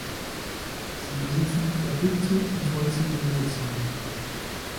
Sie besitzen verdickte und holzige Wurzeln.